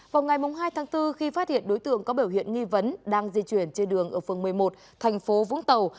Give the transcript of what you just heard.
vào ngày hai tháng bốn khi phát hiện đối tượng có biểu hiện nghi vấn đang di chuyển trên đường ở phường một mươi một thành phố vũng tàu